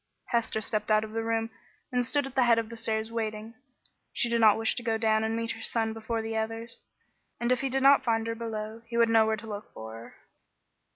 Hester stepped out of the room and stood at the head of the stairs waiting. She did not wish to go down and meet her son before the others, and if he did not find her below, he would know where to look for her.